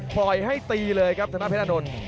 ปล่อยให้ตีเลยครับธนาเพชรานนท์